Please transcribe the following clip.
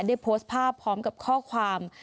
ได้โพสต์ภาพพร้อมกับข้อความ